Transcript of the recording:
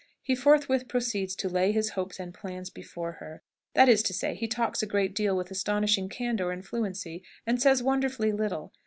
He forthwith proceeds to lay his hopes and plans before her; that is to say, he talks a great deal with astonishing candour and fluency, and says wonderfully little.